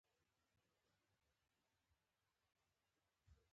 موږ مخکې ځو.